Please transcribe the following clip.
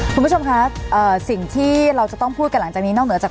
คุณผู้ชมคะสิ่งที่เราจะต้องพูดกันหลังจากนี้นอกเหนือจาก